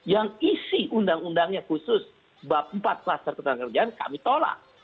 yang isi undang undangnya khusus empat klas terkutang kerjaan kami tolak